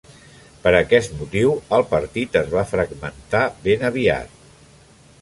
Per aquest motiu, el partit es va fragmentar ben aviat.